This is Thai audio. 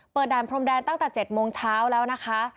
ด่านพรมแดนตั้งแต่๗โมงเช้าแล้วนะคะ